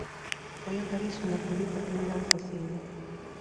Foi en París onde acudiu por primeira vez ó cine.